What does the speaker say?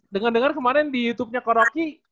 dengar dengar kemarin di youtubenya ko rocky